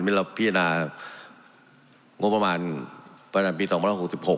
มีเราพินางบประมาณประจำปี๒๖๖